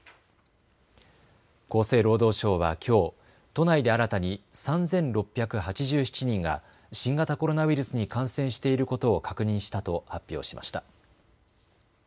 厚生労働省はきょう都内で新たに３６８７人が新型コロナウイルスに感染していることを確認したと発表しました。